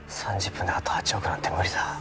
３０分であと８億なんて無理だ